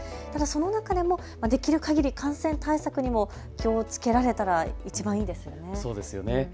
その中でもできるかぎり感染対策にも気をつけられたらいちばんいいですよね。